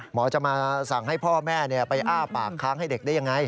หมอจะมาสั่งให้พ่อแม่ไปอ้าปากค้างให้เด็กได้ยังไง